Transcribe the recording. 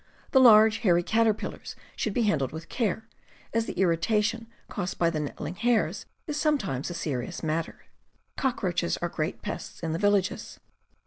... The large, hairy caterpillars should be handled with care, as the irritation caused by the nettling hairs is sometimes a serious matter. Cockroaches are great pests in the villages.